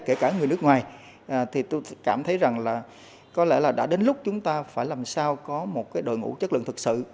kể cả người nước ngoài thì tôi cảm thấy rằng là có lẽ là đã đến lúc chúng ta phải làm sao có một đội ngũ chất lượng thực sự